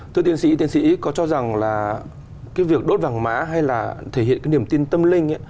thưa tiến sĩ tiên sĩ có cho rằng là cái việc đốt vàng mã hay là thể hiện cái niềm tin tâm linh ấy